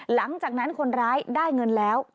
หลังจากนั้นคนร้ายได้เงินแล้ว